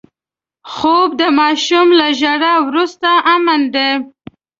خوب د ماشوم له ژړا وروسته امن دی